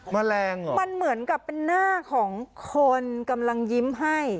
แมลงเหรอมันเหมือนกับเป็นหน้าของคนกำลังยิ้มให้